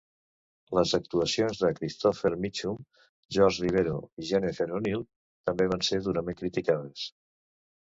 Les actuacions de Christopher Mitchum, Jorge Rivero i Jennifer O'Neill també van ser durament criticades.